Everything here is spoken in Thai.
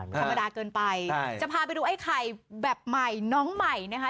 ธรรมดาเกินไปจะพาไปดูไอ้ไข่แบบใหม่น้องใหม่นะคะ